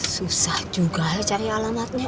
susah juga cari alamatnya